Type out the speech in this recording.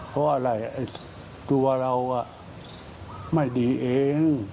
เพราะอะไรตัวเราไม่ดีเอง